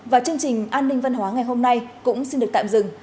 và chương trình anntv ngày hôm nay cũng xin được tạm dừng